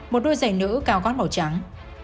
một đôi giày nữ cao gót màu trắng